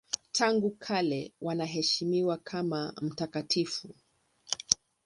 Tangu kale wanaheshimiwa kama mtakatifu.